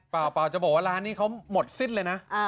เปล่าจะบอกว่าร้านนี้เขาหมดสิ้นเลยนะ